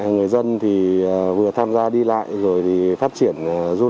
người dân thì vừa tham gia đi lại rồi thì phát triển du lịch